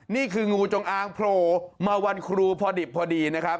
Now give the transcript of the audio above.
นี่คืองูจงอางโพรมาวันครูพอดิบพอดีนะครับ